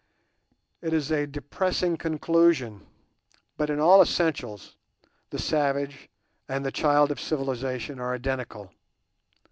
It is a depressing conclusion, but in all essentials the savage and the child of civilization are identical.